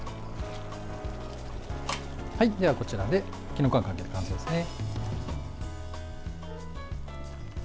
では、こちらできのこあんかけは完成ですね。